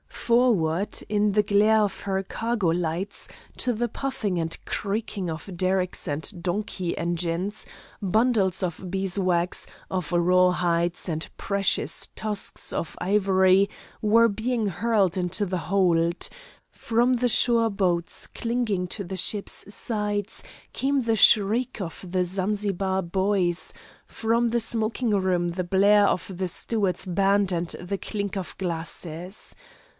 Forward, in the glare of her cargo lights, to the puffing and creaking of derricks and donkey engines, bundles of beeswax, of rawhides, and precious tusks of ivory were being hurled into the hold; from the shore boats clinging to the ship's sides came the shrieks of the Zanzibar boys, from the smoking room the blare of the steward's band and the clink of glasses.